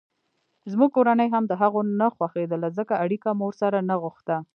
زموږ کورنۍ هم دهغو نه خوښېدله ځکه اړیکه مو ورسره نه غوښته.